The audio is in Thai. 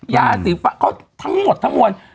ยาสีฟ้าเขาทั้งหมดทั้งมวล